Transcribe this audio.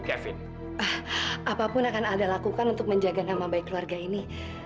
apapun akan anda lakukan untuk menjaga nama baik keluarga ini